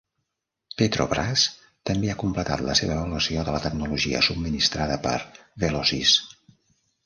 Petrobras també ha completat la seva avaluació de la tecnologia subministrada per Velocys.